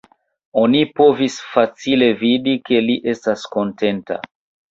Oni povis facile vidi, ke li estas kontenta.